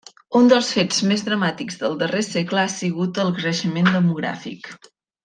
Un dels fets més dramàtics del darrer segle ha sigut el creixement demogràfic.